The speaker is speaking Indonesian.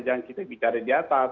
jangan kita bicara di atas